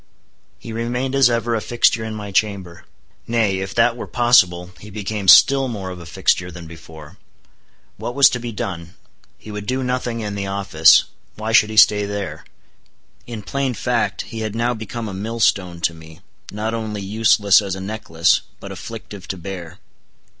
He remained as ever, a fixture in my chamber. Nay—if that were possible—he became still more of a fixture than before. What was to be done? He would do nothing in the office: why should he stay there? In plain fact, he had now become a millstone to me, not only useless as a necklace, but afflictive to bear.